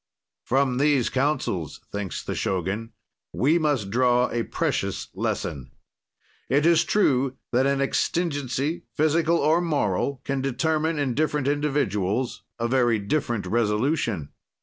"From these counsels," thinks the Shogun, "we must draw a precious lesson. "It is true that an exigency, physical or moral, can determine, in different individuals, a very different resolution.